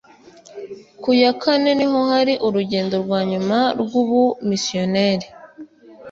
Ku ya kane niho hari urugendo rwa nyuma rw'ubumisiyonari